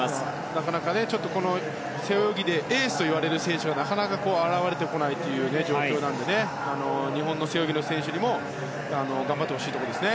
なかなか背泳ぎでエースと言われる選手は現れてこないという状況なので日本の背泳ぎの選手にも頑張ってほしいところです。